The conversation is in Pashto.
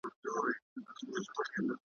چي په زړو کي دښمنۍ وي چي له وروه انتقام وي ,